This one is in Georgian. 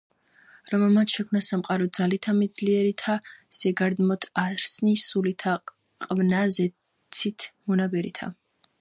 რომელმან შექმნა სამყარო ძალითა მით ძლიერითა, ზეგარდმოთ არსნი სულითა ყვნა ზეცით მონაბერითა